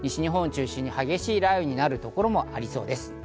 西日本を中心に激しい雷雨になるところもありそうです。